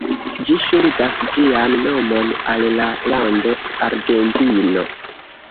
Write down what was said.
Ĝi ŝuldas ĝian nomon al la lando Argentino.